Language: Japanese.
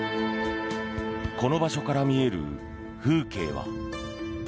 この場所から見える風景は。